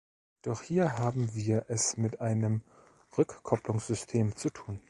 Doch hier haben wir es mit einem Rückkopplungssystem zu tun.